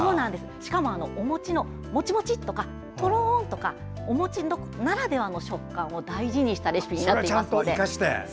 しかもお餅のモチモチとかとろーんとかお餅ならではの食感を大事にしたレシピになっています。